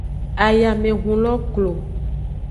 Ayamehun lo klo.